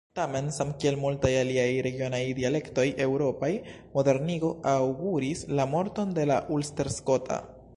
Tamen, samkiel multaj aliaj regionaj dialektoj eŭropaj, modernigo aŭguris la morton de la ulsterskota.